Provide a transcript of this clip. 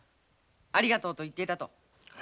ありがとうと言ってたと。